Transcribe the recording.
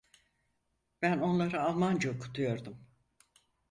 Ben onlara Almanca okutuyordum.